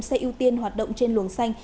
xe ưu tiên hoạt động trên luồng xanh